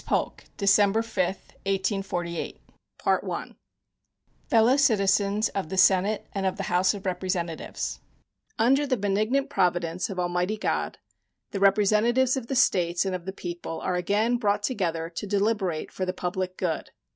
POLK State of the Union Address James Polk December 5, 1848 Fellow Citizens of the Senate and of the House of Representatives: Under the benignant providence of Almighty God the representatives of the States and of the people are again brought together to deliberate for the public good.